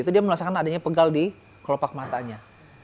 itu dia merasakan adanya pegal di kelopak matanya